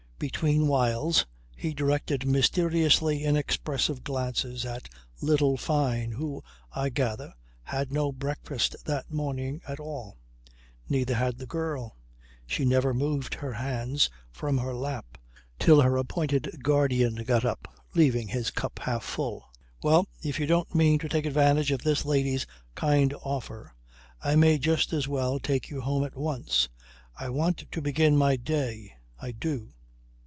Between whiles he directed mysteriously inexpressive glances at little Fyne, who, I gather, had no breakfast that morning at all. Neither had the girl. She never moved her hands from her lap till her appointed guardian got up, leaving his cup half full. "Well. If you don't mean to take advantage of this lady's kind offer I may just as well take you home at once. I want to begin my day I do."